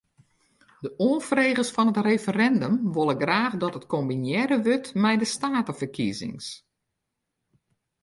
De oanfregers fan it referindum wolle graach dat it kombinearre wurdt mei de steateferkiezings.